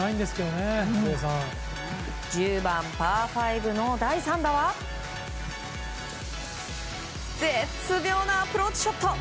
１０番、パー５の第３打は絶妙なアプローチショット。